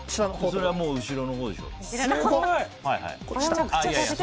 それはもう後ろのほうでしょ。